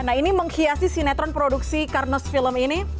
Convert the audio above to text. nah ini menghiasi sinetron produksi carnos film ini